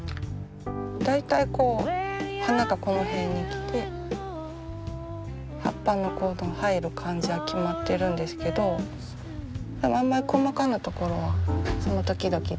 大体花がこの辺に来て葉っぱが入る感じは決まってるんですけどあんまり細かな所はその時々で。